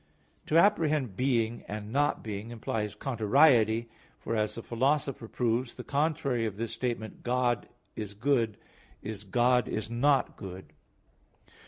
To apprehend being, and not being, implies contrariety; for, as the Philosopher proves (Peri Herm. ii), the contrary of this statement "God is good," is, "God is not good."